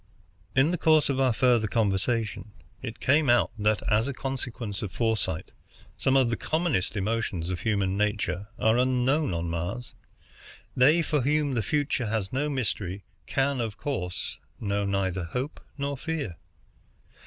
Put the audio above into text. In the course of our further conversation it came out that, as a consequence of foresight, some of the commonest emotions of human nature are unknown on Mars. They for whom the future has no mystery can, of course, know neither hope nor fear.